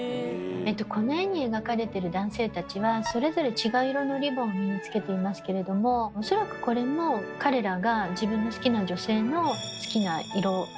この絵に描かれてる男性たちはそれぞれ違う色のリボンを身につけていますけれどもおそらくこれも彼らが自分の好きな女性の好きな色のリボンを身につけてると思います。